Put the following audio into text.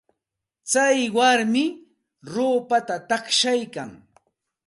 Tsay warmi ruupata taqshaykan.